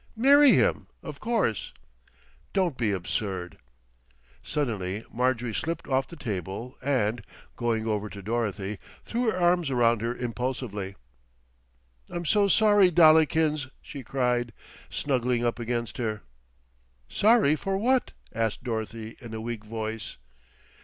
"Marry him, of course." "Don't be absurd." Suddenly Marjorie slipped off the table and, going over to Dorothy, threw her arms round her impulsively. "I'm so sorry, Dollikins," she cried, snuggling up against her. "Sorry for what?" asked Dorothy in a weak voice.